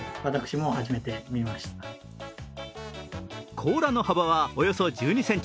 甲羅の幅はおよそ１２ｃｍ。